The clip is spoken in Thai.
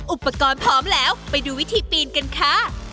อุปกรณ์พร้อมแล้วไปดูวิธีปีนกันค่ะ